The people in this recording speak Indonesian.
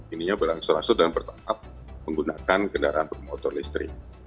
ini ya berangsur angsur dan bertangkap penggunakan kendaraan bermotor listrik